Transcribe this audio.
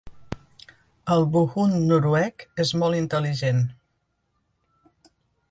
El Buhund noruec és molt intel·ligent.